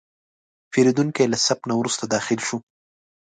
پیرودونکی له صف نه وروسته داخل شو.